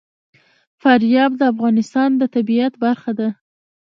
فاریاب د افغانستان د طبیعت برخه ده.